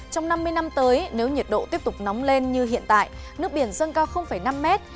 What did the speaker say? trong năm mươi năm tới nếu nhiệt độ tiếp tục nóng lên như hiện tại nước biển dâng cao năm mét